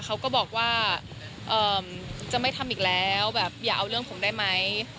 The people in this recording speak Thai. เขาก็บอกว่าจะไม่ทำอีกแล้วแบบอย่าเอาเรื่องผมได้ไหม